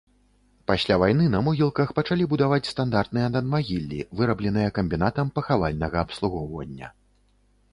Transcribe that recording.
Пасля вайны на могілках пачалі будаваць стандартныя надмагіллі, вырабленыя камбінатам пахавальнага абслугоўвання.